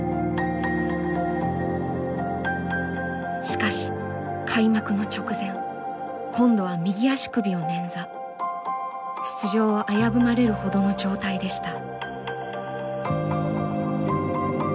しかし開幕の直前今度は出場を危ぶまれるほどの状態でした。